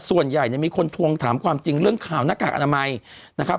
ส่วนใหญ่เนี่ยมีคนทวงถามความจริงเรื่องข่าวหน้ากากอนามัยนะครับ